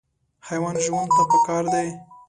حیوان ژوند ته پکار دی.